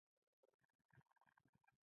زه ډېر ملاتړي لرم.